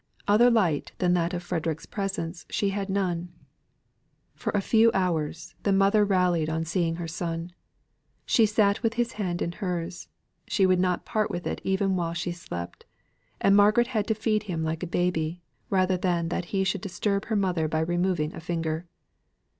Other light than that of Frederick's presence she had none. For a few hours, the mother rallied on seeing her son. She sate with his hand in hers; she would not part with it even while she slept; and Margaret had to feed him like a baby, rather than he should disturb her mother by removing a finger.